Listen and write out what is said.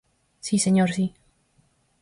Si, señor, si.